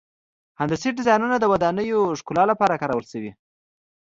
هندسي ډیزاینونه د ودانیو ښکلا لپاره کارول شوي.